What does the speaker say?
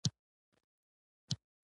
هګۍ د شیرینیو خوند لوړوي.